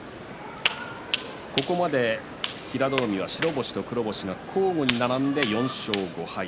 ここまで平戸海は白星と黒星が交互に並んで４勝５敗。